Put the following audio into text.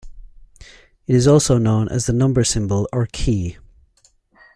It is also known as the number symbol or key.